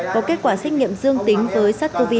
có kết quả xét nghiệm dương tính với sát covid